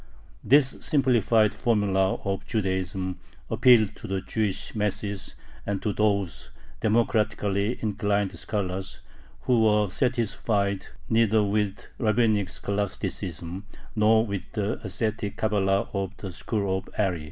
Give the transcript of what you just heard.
This simplified formula of Judaism appealed to the Jewish masses and to those democratically inclined scholars who were satisfied neither with rabbinic scholasticism nor with the ascetic Cabala of the school of Ari.